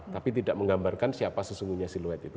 tapi tidak menggambarkan siapa sesungguhnya siluet itu